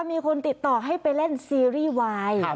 มีคนติดต่อให้ไปเล่นซีรีส์วาย